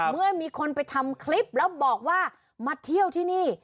เมื่อมีคนไปทำคลิปแล้วบอกว่ามาเที่ยวที่นี่